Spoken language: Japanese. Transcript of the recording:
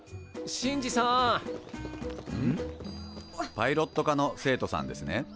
パイロット科の生徒さんですね。